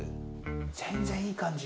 全然いい感じ！